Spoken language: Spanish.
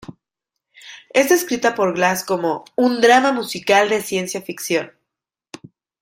Es descrita por Glass como "un drama musical de ciencia ficción".